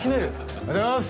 おはようございます！